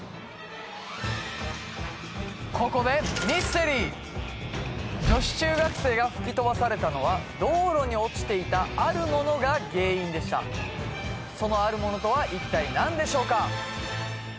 ここでミステリー女子中学生が吹き飛ばされたのは道路に落ちていたあるものが原因でしたそのあるものとは一体何でしょうか？